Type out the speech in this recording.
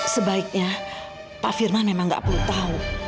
sebaiknya pak firman memang gak perlu tahu